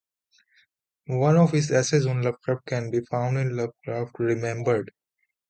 One of his essays on Lovecraft can be found in Lovecraft Remembered.